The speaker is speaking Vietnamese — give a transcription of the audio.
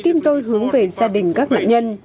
tim tôi hướng về gia đình các nạn nhân